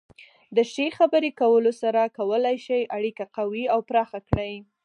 د ښې خبرې کولو سره کولی شئ اړیکه قوي او پراخه کړئ.